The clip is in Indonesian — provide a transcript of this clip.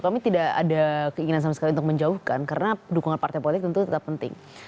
kami tidak ada keinginan sama sekali untuk menjauhkan karena dukungan partai politik tentu tetap penting